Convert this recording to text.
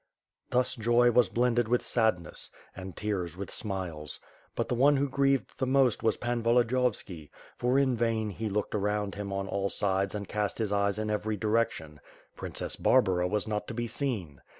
Thus joy was blended with sadness, and tears with smiles. But the one who grieved the most was Pan Volodiyovski, for in vain he looked round him on all sides and cast his eyes in every direction — Princess Barbara was not to be seen.